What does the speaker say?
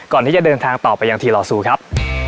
ก่อนที่จะเดินทางต่อไปยังทีลอซูครับ